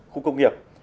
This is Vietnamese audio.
khu công nghiệp